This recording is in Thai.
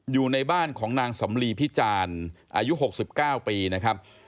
อยู่ในบ้านของนางสำลีพิจารณ์อายุ๖๙ปีนะครับ